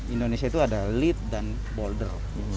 indonesia itu ada lead dan bolder